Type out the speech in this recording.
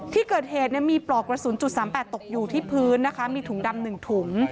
ที่เกิดเหตุมีปลอกกระสุนจุดสามแปดตกอยู่ที่พื้นนะคะมีถุงดำหนึ่งถุง